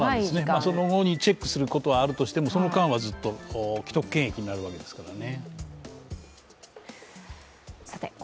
その後にチェックすることはあるとしても、その間はずっと既得権益になるわけですからね。